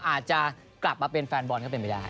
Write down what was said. อาจจะกลับมาเป็นแฟนบอลก็เป็นไปได้